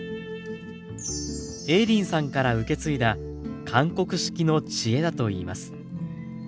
映林さんから受け継いだ韓国式の知恵だといいます。